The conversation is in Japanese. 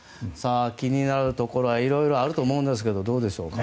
気になるところはいろいろあると思うんですがどうでしょうか。